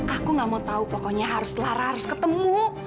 aku gak mau tahu pokoknya harus lara harus ketemu